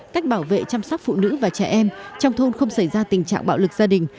cách bảo vệ chăm sóc phụ nữ và trẻ em trong thôn không xảy ra tình trạng bạo lực gia đình